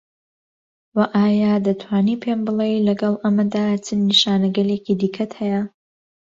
و ئایا دەتوانی پێم بڵێی لەگەڵ ئەمەدا چ نیشانەگەلێکی دیکەت هەیە؟